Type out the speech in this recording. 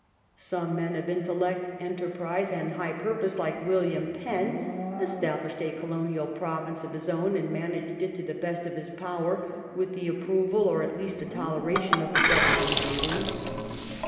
Some man of intellect, enterprise, and high 1702 14 ENGLAND'S COLONIES. 397 purpose, like William Penn, established a colonial province of his own and managed it to the best of his power with the approval, or at least the toleration, of the Government in England.